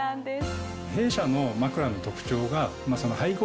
弊社の枕の特徴が。